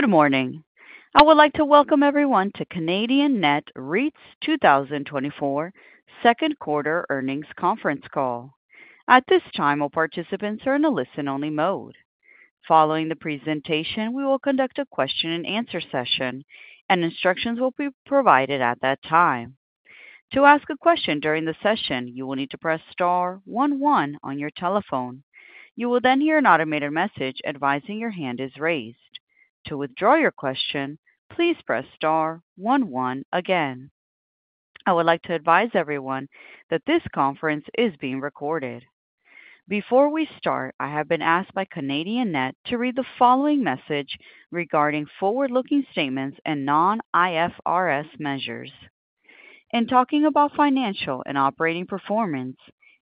Good morning. I would like to welcome everyone to Canadian Net REIT's 2024 second quarter earnings conference call. At this time, all participants are in a listen-only mode. Following the presentation, we will conduct a question-and-answer session and instructions will be provided at that time. To ask a question during the session, you will need to press star one one on your telephone. You will then hear an automated message advising your hand is raised. To withdraw your question, please press star one one again. I would like to advise everyone that this conference is being recorded. Before we start, I have been asked by Canadian Net to read the following message regarding forward-looking statements and non-IFRS measures. In talking about financial and operating performance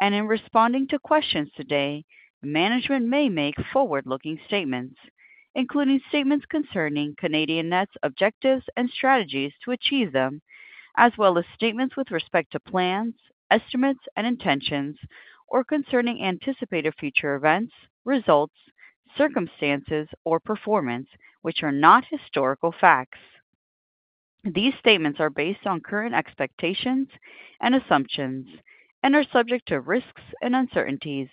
and in responding to questions today, management may make forward-looking statements, including statements concerning Canadian Net's objectives and strategies to achieve them, as well as statements with respect to plans, estimates and intentions, or concerning anticipated future events, results, circumstances, or performance, which are not historical facts. These statements are based on current expectations and assumptions and are subject to risks and uncertainties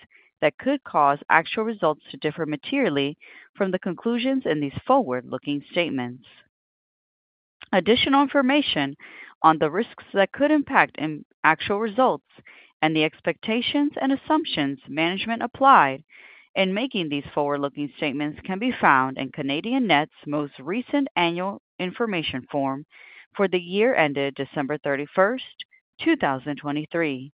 that could cause actual results to differ materially from the conclusions in these forward-looking statements. Additional information on the risks that could impact our actual results and the expectations and assumptions management applied in making these forward-looking statements can be found in Canadian Net's most recent Annual Information Form for the year ended December 31st, 2023,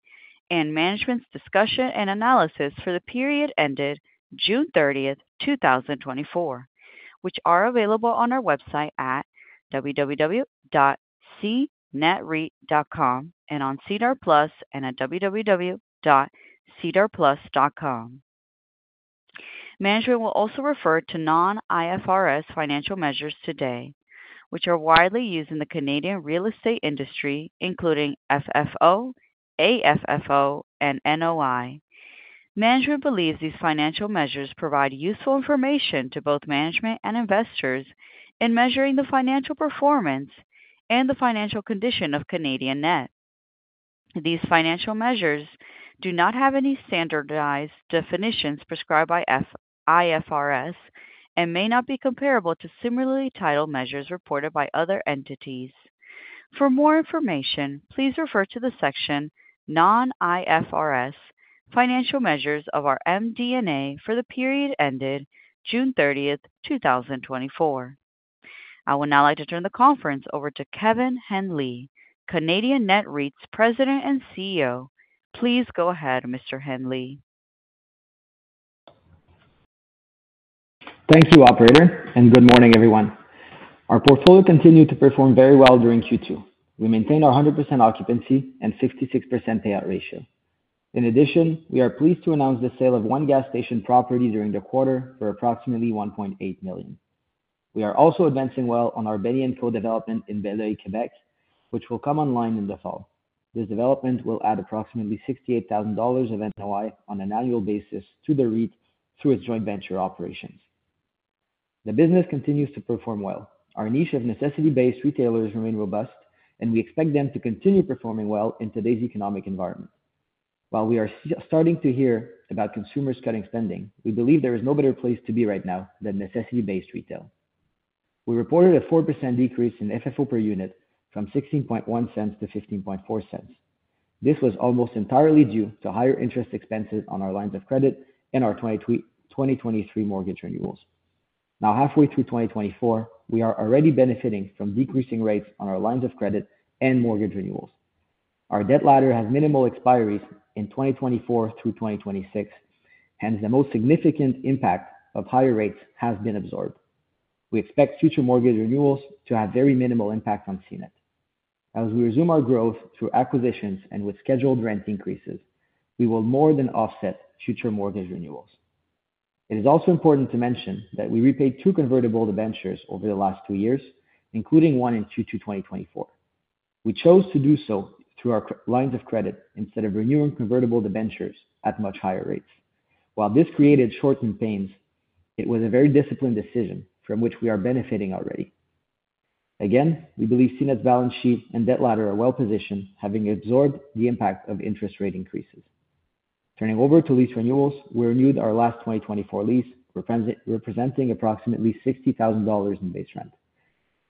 and Management's Discussion and Analysis for the period ended June 30th, 2024, which are available on our website at www.cnetreit.com and on SEDAR+ and at www.sedarplus.ca. Management will also refer to non-IFRS financial measures today, which are widely used in the Canadian real estate industry, including FFO, AFFO, and NOI. Management believes these financial measures provide useful information to both management and investors in measuring the financial performance and the financial condition of Canadian Net. These financial measures do not have any standardized definitions prescribed by IFRS and may not be comparable to similarly titled measures reported by other entities. For more information, please refer to the section non-IFRS Financial Measures of our MD&A for the period ended June 30th, 2024. I would now like to turn the conference over to Kevin Henley, Canadian Net REIT's President and CEO. Please go ahead, Mr. Henley. Thank you, operator, and good morning, everyone. Our portfolio continued to perform very well during Q2. We maintained our 100% occupancy and 66% payout ratio. In addition, we are pleased to announce the sale of one gas station property during the quarter for approximately 1.8 million. We are also advancing well on our Benny & Co. development in Beloeil, Quebec, which will come online in the fall. This development will add approximately 68,000 dollars of NOI on an annual basis to the REIT through its joint venture operations. The business continues to perform well. Our niche of necessity-based retailers remain robust, and we expect them to continue performing well in today's economic environment. While we are starting to hear about consumers cutting spending, we believe there is no better place to be right now than necessity-based retail. We reported a 4% decrease in FFO per unit from 0.161 to 0.154. This was almost entirely due to higher interest expenses on our lines of credit and our 2023 mortgage renewals. Now, halfway through 2024, we are already benefiting from decreasing rates on our lines of credit and mortgage renewals. Our debt ladder has minimal expiries in 2024 through 2026, hence, the most significant impact of higher rates has been absorbed. We expect future mortgage renewals to have very minimal impact on CNET. As we resume our growth through acquisitions and with scheduled rent increases, we will more than offset future mortgage renewals. It is also important to mention that we repaid two convertible debentures over the last two years, including one in Q2 2024. We chose to do so through our credit lines of credit instead of renewing convertible debentures at much higher rates. While this created short-term pains, it was a very disciplined decision from which we are benefiting already. Again, we believe CNET's balance sheet and debt ladder are well-positioned, having absorbed the impact of interest rate increases. Turning over to lease renewals, we renewed our last twenty twenty-four lease, representing approximately 60,000 dollars in base rent.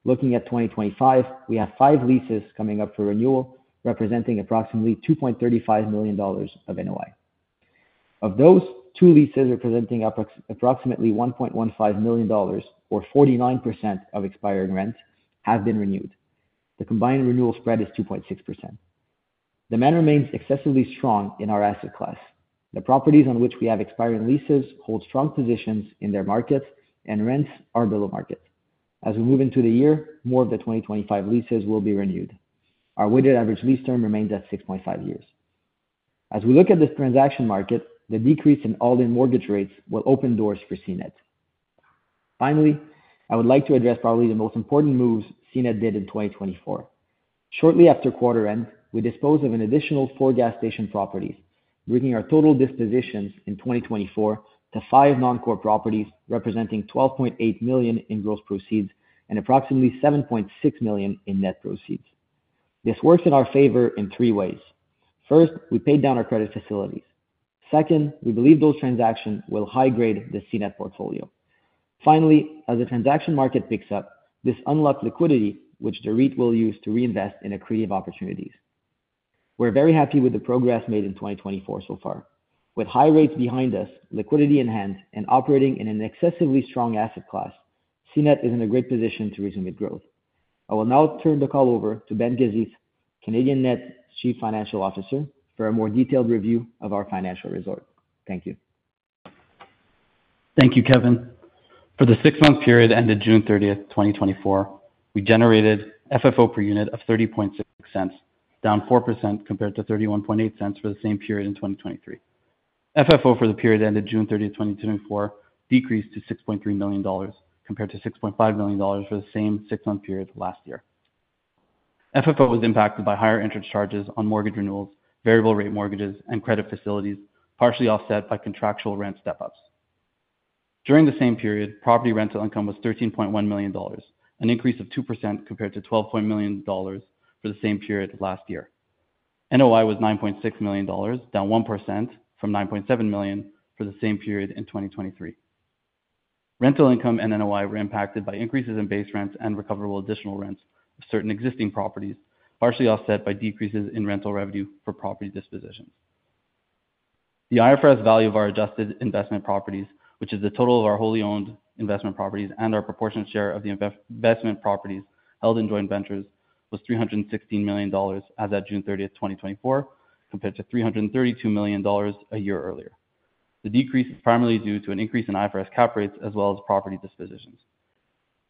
Looking at twenty twenty-five, we have five leases coming up for renewal, representing approximately 2.35 million dollars of NOI. Of those, two leases, representing approximately 1.15 million dollars, or 49% of expiring rents, have been renewed. The combined renewal spread is 2.6%. Demand remains excessively strong in our asset class. The properties on which we have expiring leases hold strong positions in their markets, and rents are below market. As we move into the year, more of the 2025 leases will be renewed. Our weighted average lease term remains at 6.5 years. As we look at this transaction market, the decrease in all-in mortgage rates will open doors for CNET. Finally, I would like to address probably the most important moves CNET did in 2024. Shortly after quarter end, we disposed of an additional four gas station properties, bringing our total dispositions in 2024 to five non-core properties, representing 12.8 million in gross proceeds and approximately 7.6 million in net proceeds. This works in our favor in three ways: First, we paid down our credit facilities. Second, we believe those transactions will high-grade the CNET portfolio. Finally, as the transaction market picks up, this unlocked liquidity, which the REIT will use to reinvest in accretive opportunities. We're very happy with the progress made in twenty twenty-four so far. With high rates behind us, liquidity in hand, and operating in an excessively strong asset class, CNET is in a great position to resume its growth. I will now turn the call over to Ben Gazith, Canadian Net's Chief Financial Officer, for a more detailed review of our financial results. Thank you. Thank you, Kevin. For the six-month period ended June 30th, 2024, we generated FFO per unit of 0.306, down 4% compared to 0.318 for the same period in 2023. FFO for the period ended June 30th, 2024, decreased to 6.3 million dollars, compared to 6.5 million dollars for the same six-month period last year. FFO was impacted by higher interest charges on mortgage renewals, variable rate mortgages, and credit facilities, partially offset by contractual rent step-ups. During the same period, property rental income was 13.1 million dollars, an increase of 2% compared to 12.8 million dollars for the same period last year. NOI was 9.6 million dollars, down 1% from 9.7 million for the same period in 2023. Rental income and NOI were impacted by increases in base rents and recoverable additional rents of certain existing properties, partially offset by decreases in rental revenue for property dispositions. The IFRS value of our adjusted investment properties, which is the total of our wholly owned investment properties and our proportionate share of the investment properties held in joint ventures, was 316 million dollars as of June 30th, 2024, compared to 332 million dollars a year earlier. The decrease is primarily due to an increase in IFRS cap rates as well as property dispositions.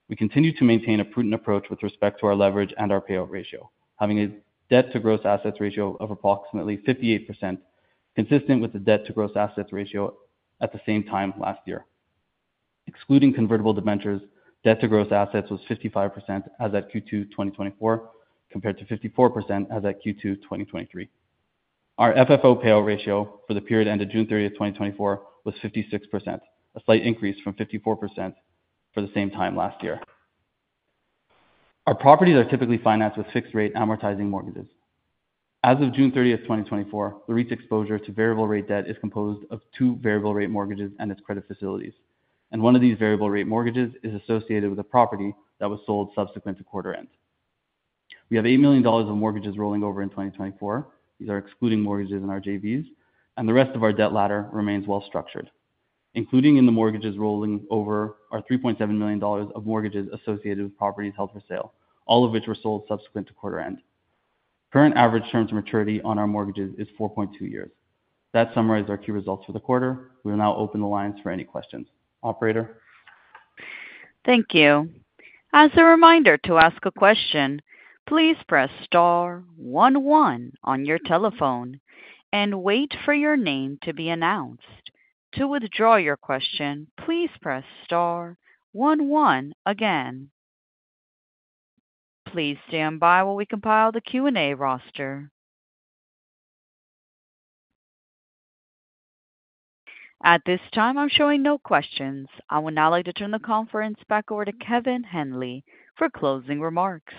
We continue to maintain a prudent approach with respect to our leverage and our payout ratio, having a debt-to-gross assets ratio of approximately 58%, consistent with the debt to gross assets ratio at the same time last year. Excluding convertible debentures, debt to gross assets was 55% as at Q2 2024, compared to 54% as at Q2 2023. Our FFO payout ratio for the period ended June 30, 2024, was 56%, a slight increase from 54% for the same time last year. Our properties are typically financed with fixed-rate amortizing mortgages. As of June 30, 2024, the REIT's exposure to variable rate debt is composed of two variable rate mortgages and its credit facilities, and one of these variable rate mortgages is associated with a property that was sold subsequent to quarter end. We have 8 million dollars of mortgages rolling over in 2024. These are excluding mortgages in our JVs, and the rest of our debt ladder remains well structured, including in the mortgages rolling over our 3.7 million dollars of mortgages associated with properties held for sale, all of which were sold subsequent to quarter end. Current average terms and maturity on our mortgages is 4.2 years. That summarizes our key results for the quarter. We will now open the lines for any questions. Operator? Thank you. As a reminder to ask a question, please press star one one on your telephone and wait for your name to be announced. To withdraw your question, please press star one one again. Please stand by while we compile the Q&A roster. At this time, I'm showing no questions. I would now like to turn the conference back over to Kevin Henley for closing remarks.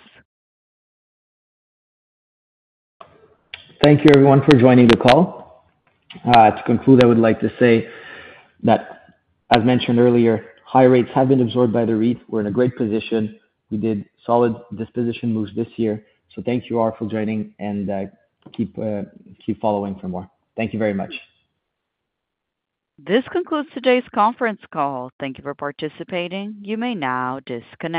Thank you, everyone, for joining the call. To conclude, I would like to say that as mentioned earlier, high rates have been absorbed by the REIT. We're in a great position. We did solid disposition moves this year. So thank you all for joining, and keep following for more. Thank you very much. This concludes today's conference call. Thank you for participating. You may now disconnect.